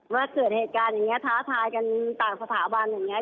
ว่าเกิดเหตุการณ์อย่างนี้ท้าทายกันต่างสถาบันอย่างนี้